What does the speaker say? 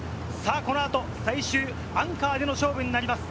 この後、最終アンカーでの勝負になります。